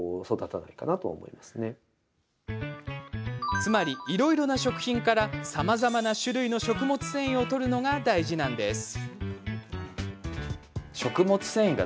つまり、いろいろな食品からさまざまな種類の食物繊維をとるのが大事なんですね。